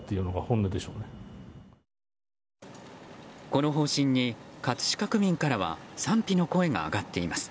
この方針に葛飾区民からは賛否の声が上がっています。